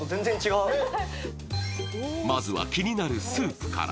まずは気になるスープから。